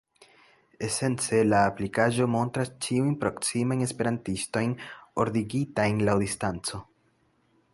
Esence, la aplikaĵo montras ĉiujn proksimajn esperantistojn ordigitajn laŭ distanco.